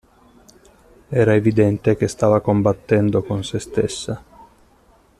Era evidente che stava combattendo con sé stessa.